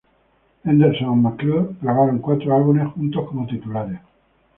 Henderson and McClure grabaron cuatro álbumes juntos como titulares.